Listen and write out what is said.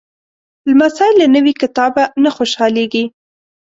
لمسی له نوي کتاب نه خوشحالېږي.